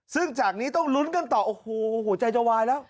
ซึ่งจากนี้ต้องลุ้นกันต่อโอ้โหหัวใจจะวายแล้ว